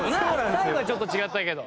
最後はちょっと違ったけど。